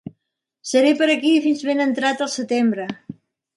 Seré per aquí fins ben entrat el setembre.